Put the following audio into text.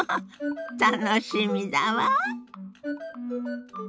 楽しみだわ。